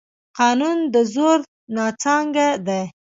قانون د زور نانځکه ده.